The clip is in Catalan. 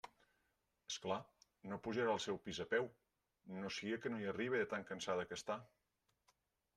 És clar, no pujarà al seu pis a peu, no siga que no hi arribe de tan cansada que està.